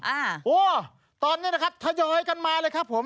โอ้ตอนนี้นะครับทยอยกันมาเลยครับผม